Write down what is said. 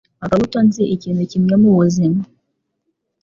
Akabuto Nzi ikintu kimwe mubuzima